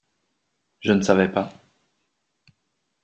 Je ne savais pas.